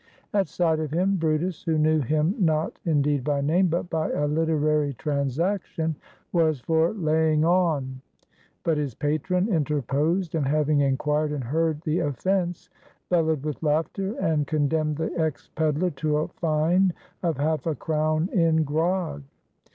At sight of him, brutus, who knew him not indeed by name but by a literary transaction, was "for laying on," but his patron interposed, and, having inquired and heard the offense, bellowed with laughter, and condemned the ex peddler to a fine of half a crown in grog.